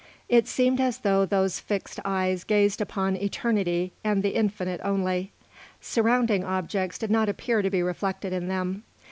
It seemed as though those fixed eyes gazed upon eternity and the infinite only; surrounding objects did not appear to be reflected in them.